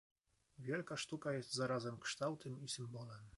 Wszelka sztuka jest zarazem kształtem i symbolem.